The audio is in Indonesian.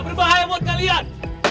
berbahaya buat kalian